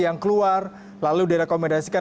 yang keluar lalu direkomendasikan